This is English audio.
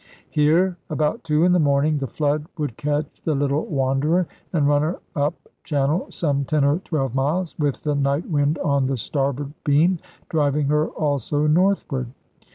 Here, about two in the morning, the flood would catch the little wanderer, and run her up channel some ten or twelve miles, with the night wind on the starboard beam driving her also northward.